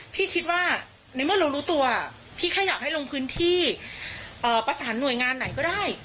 คิดว่าในเมื่อเรารู้ตัวพี่แค่อยากให้ลงพื้นที่ประสานหน่วยงานไหนก็ได้